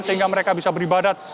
sehingga mereka bisa beribadah